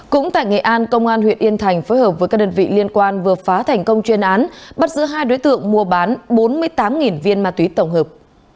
cũng tại nghệ an công an huyện yên thành phối hợp với các đơn vị liên quan vừa phá thành công chuyên án bắt giữ hai đối tượng mua bán bốn mươi tám viên ma túy tổng hợp